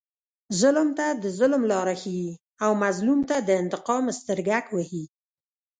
ظلم ته د ظلم لاره ښیي او مظلوم ته د انتقام سترګک وهي.